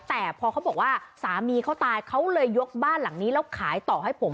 แต่พอเขาบอกว่าสามีเขาตายเขาเลยยกบ้านหลังนี้แล้วขายต่อให้ผม